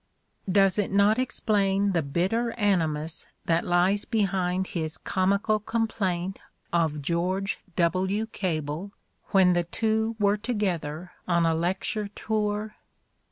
Does it not explain the bitter animus that lies behind his comical complaint of George W. Cable, when the two were together on a lecture tour